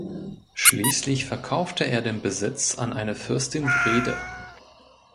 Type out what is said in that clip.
Schließlich verkaufte er den Besitz an eine Fürstin Wrede.